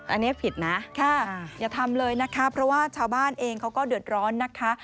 อันนี้ผิดนะค่ะอย่าทำเลยนะคะเพราะว่าชาวบ้านเองเขาก็เดือดร้อนนะคะ